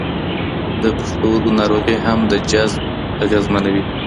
د پښتورګو ناروغي هم د جذب اغېزمنوي.